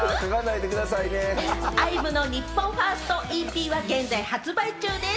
ＩＶＥの日本ファーストＥＰは現在発売中です。